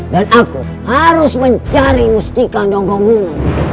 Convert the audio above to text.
dan aku harus mencari mustika nogobungu